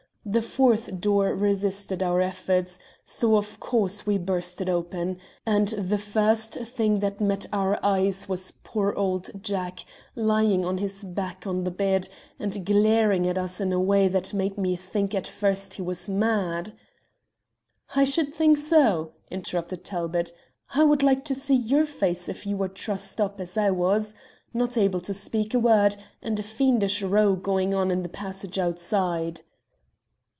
The fourth door resisted our efforts, so, of course, we burst it open. And the first thing that met our eyes was poor old Jack lying on his back on the bed, and glaring at us in a way that made me think at first he was mad." "I should think so," interrupted Talbot. "I would like to see your face if you were trussed up as I was not able to speak a word and a fiendish row going on in the passage outside."